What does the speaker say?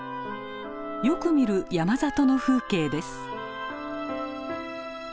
よく見る山里の風景です。